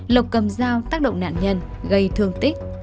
lộc cầm dao tác động nạn nhân gây thương tích